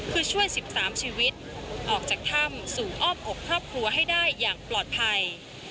คือช่วย๑๓ชีวิตออกจากถ้ำสู่อ้อมอกครอบครัวให้ได้อย่างปลอดภัย